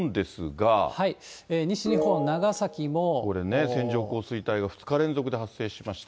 西日本、これね、線状降水帯が２日連続で発生しました。